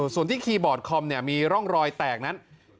ส่วนที่คีย์บอร์ดคอมมีร่องรอยแตกนั้น